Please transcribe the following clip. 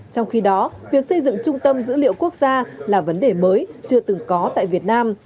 trong khi đó việc xây dựng trung tâm dữ liệu quốc gia là vấn đề mới chưa từng có tại việt nam